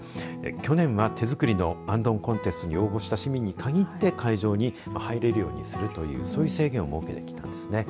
去年を手作りの行燈コンテストに応募した市民に限って会場に入れるようにするという制限を設けてきたんです。